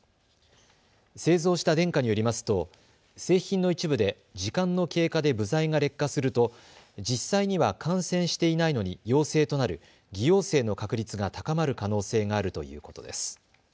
製造したデンカによりますと製品の一部で時間の経過で部材が劣化すると実際には感染していないのに陽性となる偽陽性の確率が高まる可能性があるということです。